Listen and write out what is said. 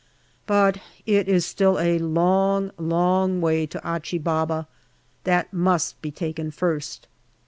But it is still a long, long way to Achi Baba. That must be taken first.